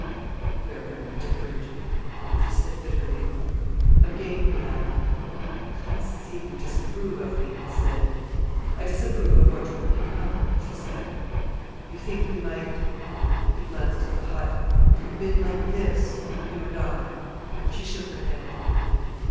"We are very different," she said bitterly. Again he laughed. "I see you disapprove of me," he said. "I disapprove of what you have become," she said. "You think we might"—he glanced at the hut—"have been like this—you and I?" She shook her head.